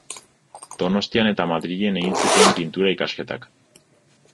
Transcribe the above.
Donostian eta Madrilen egin zituen pintura-ikasketak.